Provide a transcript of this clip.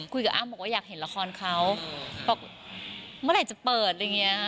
อ้ำบอกว่าอยากเห็นละครเขาบอกเมื่อไหร่จะเปิดอะไรอย่างนี้